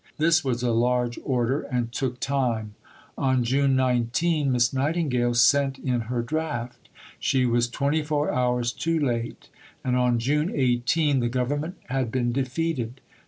This was a large order and took time. On June 19 Miss Nightingale sent in her draft. She was "24 hours" too late, for on June 18 the Government had been defeated.